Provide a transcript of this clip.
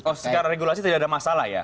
oh secara regulasi tidak ada masalah ya